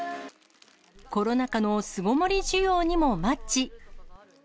コロナ禍の巣ごもり需要にもマッチ。